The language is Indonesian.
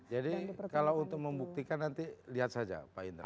jadi kalau untuk membuktikan nanti lihat saja pak indra